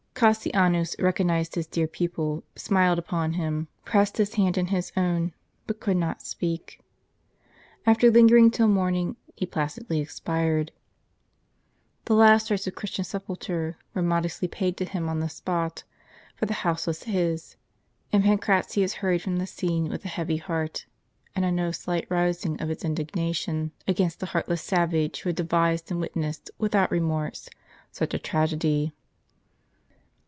Cassianus recognized his dear pupil, smiled upon him, pressed his hand in his own, but could not speak. After lin gering till morning he placidly expired. The last rites of Christian sepulture were modestly paid to him on the spot, for the house was his ; and Pancratius hurried from the scene, with a heavy heart and a no slight rising of its indignation, against the heartless savage who had devised and witnessed, without remorse, such a tragedy.